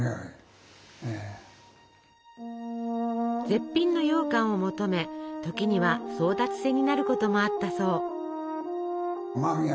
絶品のようかんを求め時には争奪戦になることもあったそう。